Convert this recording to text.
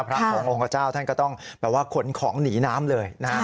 พระขององค์พระเจ้าท่านก็ต้องแบบว่าขนของหนีน้ำเลยนะฮะ